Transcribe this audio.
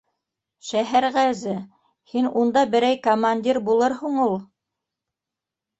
—Шәһәрғәәзе, һин шунда берәй командир булырһың ул.